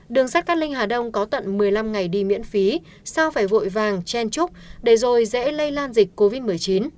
đường sắt cát linh hà đông có tận một mươi năm ngày đi miễn phí sao phải vội vàng chen trúc để rồi dễ lây lan dịch covid một mươi chín